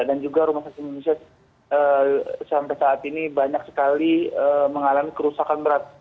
dan juga rumah sakit indonesia sampai saat ini banyak sekali mengalami kerusakan berat